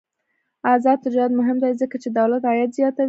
آزاد تجارت مهم دی ځکه چې دولت عاید زیاتوي.